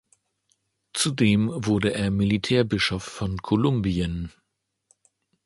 Zudem wurde er Militärbischof von Kolumbien.